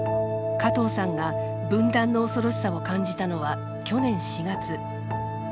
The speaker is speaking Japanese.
加藤さんが分断の恐ろしさを感じたのは去年４月。